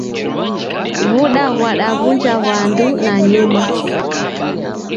W'uda ghwadaw'unja w'andu nanyuma